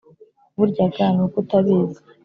Burya ga ni uko utabizi